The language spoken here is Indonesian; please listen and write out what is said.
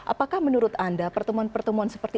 apakah menurut anda pertemuan pertemuan seperti